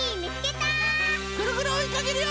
ぐるぐるおいかけるよ！